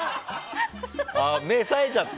目さえちゃった？